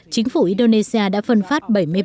chính phủ indonesia đã phân phát